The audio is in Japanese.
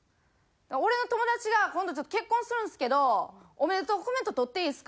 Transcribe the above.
「俺の友達が今度結婚するんですけどおめでとうコメント撮っていいですか？」